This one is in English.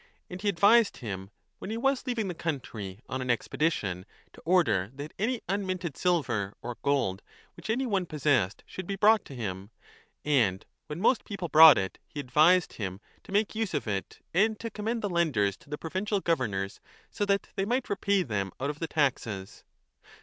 And he advised him, when he was leaving the country on an ex pedition, to order that any unminted silver or gold which any one possessed should be brought to him : and when 15 most people brought it, he advised him to make use ot it and to commend the lenders to the provincial governors so that they might repay them out of the taxes.